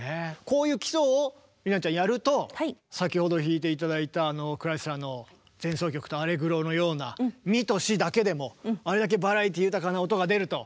こういう基礎を理奈ちゃんやると先ほど弾いて頂いたあのクライスラーの「前奏曲とアレグロ」のようなミとシだけでもあれだけバラエティー豊かな音が出ると。